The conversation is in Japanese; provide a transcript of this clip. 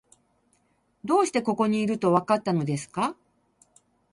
どうしてここにいると、わかったのですか？